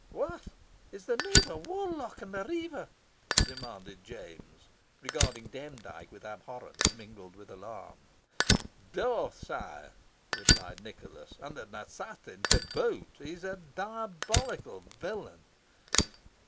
"What! is the knave a warlock and a riever?" demanded James, regarding Demdike with abhorrence, mingled with alarm. "Both, sire," replied Nicholas, "and an assassin to boot. He is a diabolical villain."